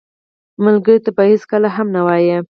ملګری ته به هېڅکله هم نه وایې